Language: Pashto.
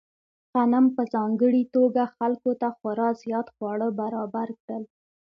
غنم په ځانګړې توګه خلکو ته خورا زیات خواړه برابر کړل.